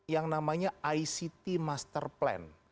yang namanya ict master plan